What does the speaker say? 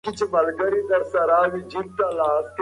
په زرګونه کسان په دې برخه کې بوخت دي.